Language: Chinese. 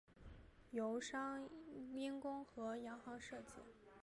由英商公和洋行设计。